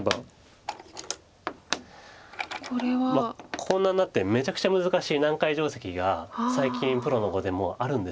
こんなになってめちゃくちゃ難しい難解定石が最近プロの碁でもあるんです。